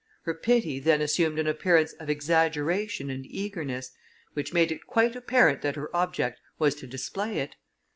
Her pity then assumed an appearance of exaggeration and eagerness, which made it quite apparent that her object was to display it.